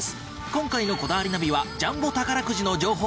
今回の『こだわりナビ』はジャンボ宝くじの情報！